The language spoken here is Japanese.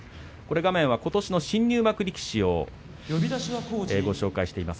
画面はことしの新入幕力士をご紹介しています。